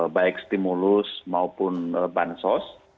baik stimulus maupun bansos